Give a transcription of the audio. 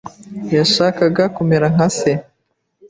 yashakaga kumera nka se.